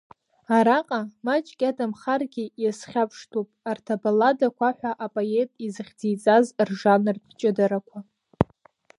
Араҟа маҷк иадамхаргьы иазхьаԥштәуп арҭ абалладақәа ҳәа апоет изыхьӡиҵаз ржанртә ҷыдарақәа.